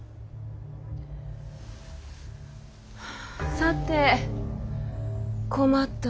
さて困ったの。